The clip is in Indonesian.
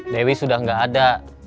dewi sudah gak ada